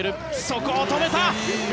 そこを止めた！